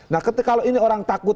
nah kalau ini orang takut